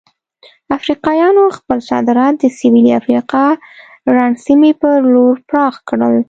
افریقایانو خپل صادرات د سویلي افریقا رنډ سیمې په لور پراخ کړل.